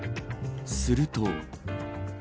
すると。